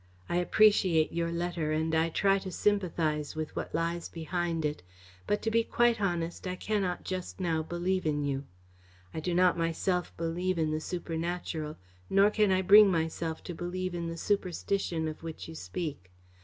I appreciate your letter and I try to sympathise with what lies behind it, but, to be quite honest, I cannot just now believe in you. I do not myself believe in the supernatural, nor can I bring myself to believe in the superstition of which you speak.